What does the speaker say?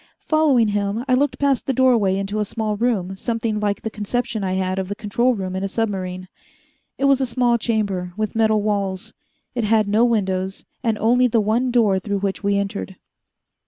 Following him, I looked past the doorway into a small room something like the conception I had of the control room in a submarine. It was a small chamber with metal walls. It had no windows, and only the one door through which we entered.